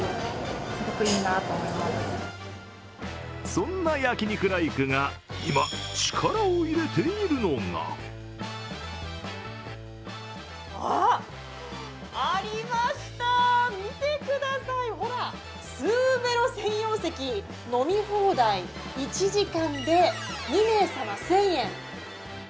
そんな焼肉ライクが今、力を入れているのが見てください、ツーベロ専用席飲み放題１時間で２名様１０００円。